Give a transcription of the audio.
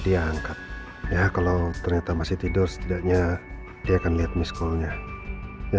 dia angkat ya kalau ternyata masih tidur setidaknya dia akan lihat miskolnya ya